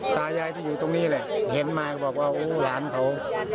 ตายายที่อยู่ตรงนี้แหละเห็นมาบอกว่าโอ้หลานเขา